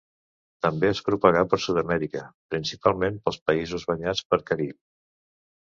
També es propagà per Sud-amèrica, principalment pels països banyats per Carib.